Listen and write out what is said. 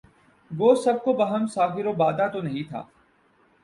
گو سب کو بہم ساغر و بادہ تو نہیں تھا